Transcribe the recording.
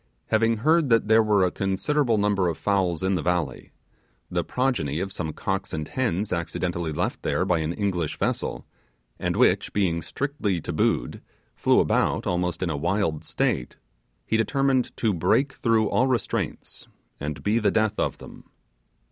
Having heard that there were a considerable number of fowls in the valley the progeny of some cocks and hens accidentally left there by an English vessel, and which, being strictly tabooed, flew about almost in a wild state he determined to break through all restraints, and be the death of them.